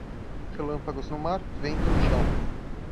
Relâmpagos no mar, vento no chão.